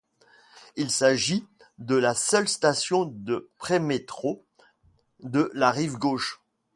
Il s'agit de la seule station de prémétro de la Rive Gauche.